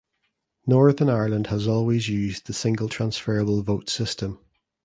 Northern Ireland has always used the single transferable vote system.